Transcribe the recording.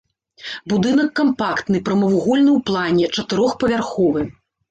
Будынак кампактны, прамавугольны ў плане, чатырохпавярховы.